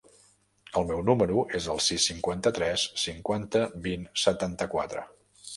El meu número es el sis, cinquanta-tres, cinquanta, vint, setanta-quatre.